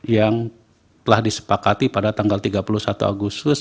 yang telah disepakati pada tanggal tiga puluh satu agustus